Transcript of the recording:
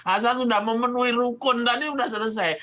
asal sudah memenuhi rukun tadi sudah selesai